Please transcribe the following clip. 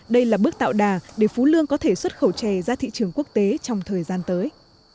đây là bước tạo đà để phú lương có thể xuất khẩu chè ra thị trường quốc tế trong thời gian tới